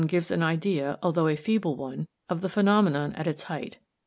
1 gives an idea, although a feeble one, of the phenomenon at its height.